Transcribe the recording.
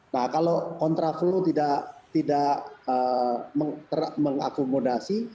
nah kalau kontra flow tidak mengakomodasi